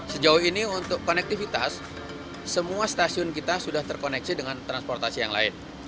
sejauh ini untuk konektivitas semua stasiun kita sudah terkoneksi dengan transportasi yang lain